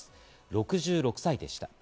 ６６歳でした。